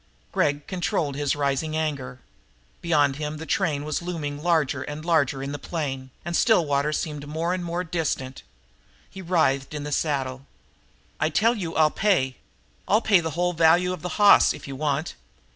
Gregg controlled his rising anger. Beyond him the train was looming larger and larger in the plain, and Stillwater seemed more and more distant. He writhed in the saddle. "I tell you I'll pay I'll pay the whole value of the hoss, if you want."